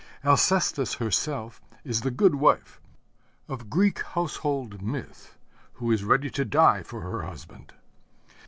Alcestis herself is the good wife of Greek household myth, who is ready to die for her husband.